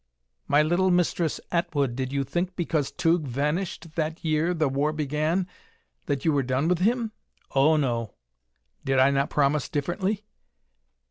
"My little Mistress Atwood, did you think because Tugh vanished that year the war began that you were done with him? Oh, no: did I not promise differently?